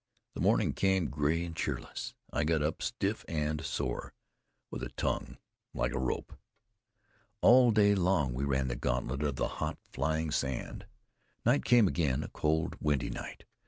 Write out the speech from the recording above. The morning came gray and cheerless. I got up stiff and sore, with a tongue like a rope. All day long we ran the gauntlet of the hot, flying sand. Night came again, a cold, windy night.